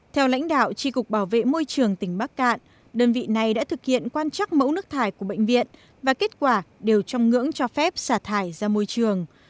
theo lãnh đạo tri cục bảo vệ môi trường tỉnh bắc cạn đơn vị này đã thực hiện quan trắc mẫu nước thải của bệnh viện và kết quả đều trong ngưỡng cho phép xả thải ra môi trường